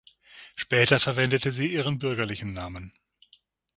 Später verwendete sie ihren bürgerlichen Namen.